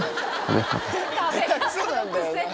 下手くそなんだよな。